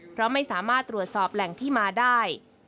เพราะไม่สามารถตรวจสอบแหล่งที่มาได้